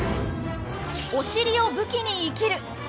おしりを武器に生きる。